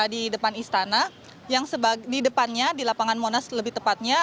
di depan istana yang di depannya di lapangan monas lebih tepatnya